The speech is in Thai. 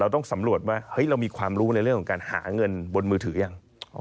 ต้องสำรวจว่าเรามีความรู้ในเรื่องของการหาเงินบนมือถือยัง